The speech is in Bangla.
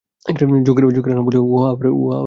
যুগের আরম্ভ হলে উহা আবার প্রকাশিত হয়।